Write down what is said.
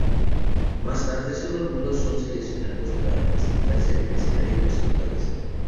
Más tarde sólo algunos son seleccionados para presentarse en el escenario por segunda vez.